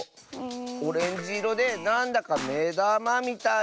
オレンジいろでなんだかめだまみたいな。